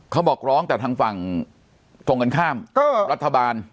เขาบอกร้องแต่ทางฝั่งตรงกันข้ามก็รัฐบาล